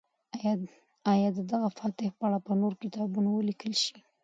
آیا د دغه فاتح په اړه به نور کتابونه ولیکل شي؟